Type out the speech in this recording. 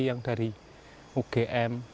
yang dari ugm